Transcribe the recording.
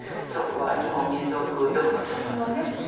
そこは日本民族独特のね。